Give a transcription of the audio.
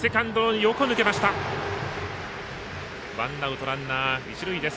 ワンアウト、ランナー、一塁です。